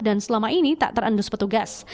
dan selama ini tak terendus petugas